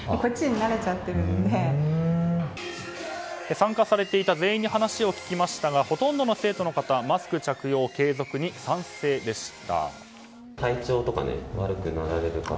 参加されていた全員に話を聞きましたがほとんどの生徒の方マスク着用継続に賛成でした。